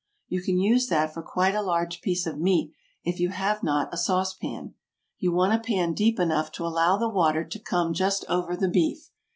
You can use that for quite a large piece of meat if you have not a sauce pan. You want a pan deep enough to allow the water to come just over the beef.